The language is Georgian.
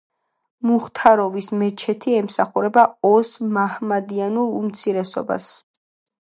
მუხთაროვის მეჩეთი ემსახურება ოს მაჰმადიანურ უმცირესობას.